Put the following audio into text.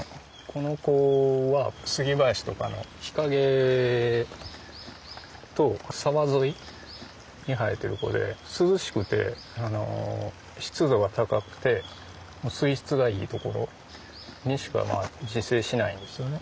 この子は杉林とかの日陰と沢沿いに生えてる子で涼しくて湿度が高くて水質がいいところにしか自生しないんですよね。